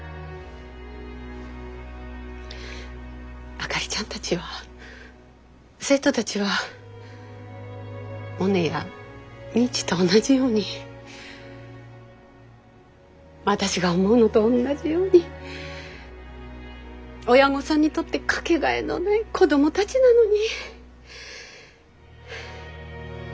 あかりちゃんたちは生徒たちはモネや未知と同じように私が思うのとおんなじように親御さんにとって掛けがえのない子供たちなのに。